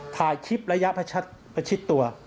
ถ่ายคลิประยะประชิดตัว